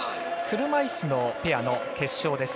車いすのペアの決勝です。